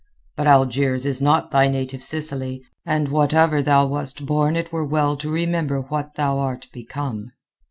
"But Algiers is not thy native Sicily, and whatever thou wast born it were well to remember what thou art become."